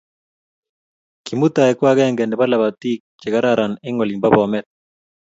Kimutai ko agenge nebo labatiik che che kararan eng olin bo Bomet